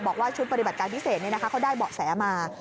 บอกว่าชุดปฏิบัติการพิเศษเขาได้เบาะแสมา